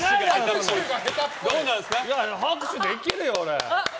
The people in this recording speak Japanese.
拍手できるよ、俺！